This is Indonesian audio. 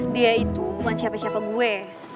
dia itu bukan siapa siapa gue